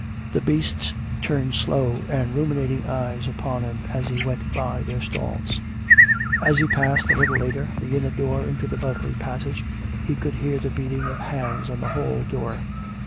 The beasts turned slow and ruminating eyes upon him as he went by their stalls. 424 COME RACK! COME ROPE! As he passed, a little later, the inner door into the buttery passage, he could hear the beating of hands on the hall door.